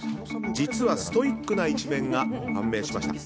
実は、ストイックな一面が判明しました。